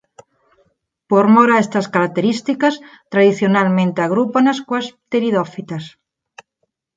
Por mor a estas características tradicionalmente agrúpanas coas "pteridófitas".